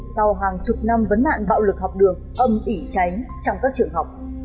sau hàng chục năm vấn nạn bạo lực học đường âm ỉ cháy trong các trường học